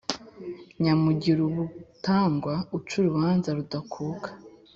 nyamugirubutangwa (uca urubanza rudakuka).